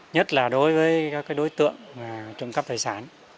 nhất là đối với các đối tượng trộm cắp tài sản